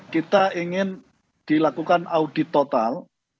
kita ingin dilakukan audit total